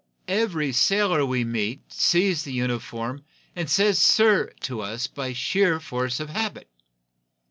Every sailor we meet sees the uniform, and says 'sir' to us by sheer force of habit.